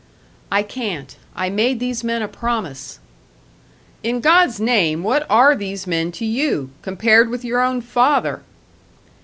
"I can't. I made these men a promise!" "In God's name what are these men to you? Compared with your own father!"